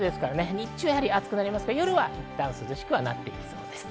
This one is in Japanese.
日中は暑くなりますが夜はいったん涼しくなってきそうです。